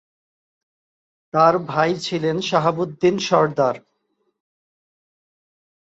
তার ভাই ছিলেন শাহাবুদ্দিন সরদার।